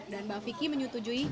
dan mbak vicky menyetujui